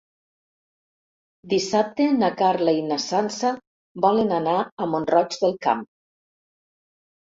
Dissabte na Carla i na Sança volen anar a Mont-roig del Camp.